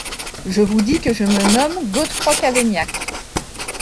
Je vous dis que je me nomme Godefroy Cavaignac.